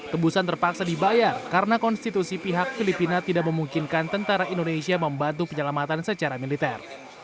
tebusan terpaksa dibayar karena konstitusi pihak filipina tidak memungkinkan tentara indonesia membantu penyelamatan secara militer